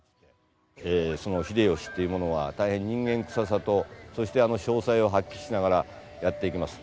秀吉っていう者は大変人間臭さとそしてあの商才を発揮しながらやっていきます。